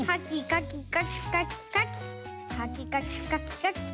かきかきかきかき。